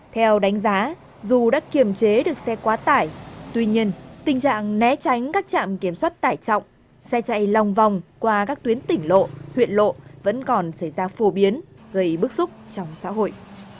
theo đánh giá dù đã kiềm chế được xe quá tải tuy nhiên tình trạng né tránh các trạm kiểm soát tải trọng xe chạy lòng vòng qua các tuyến tỉnh lộ huyện lộ vẫn còn xảy ra phổ biến gây bức xúc trong xã hội